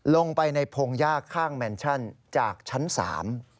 ลงไปในพงหญ้าข้างแมนชั่นจากชั้นสาม